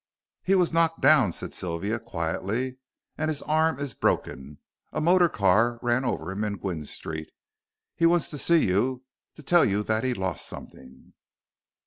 "He was knocked down," said Sylvia, quietly, "and his arm is broken. A motor car ran over him in Gwynne Street. He wants to see you, to tell you that he lost something."